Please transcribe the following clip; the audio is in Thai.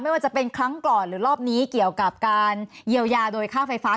ว่าจะเป็นครั้งก่อนหรือรอบนี้เกี่ยวกับการเยียวยาโดยค่าไฟฟ้า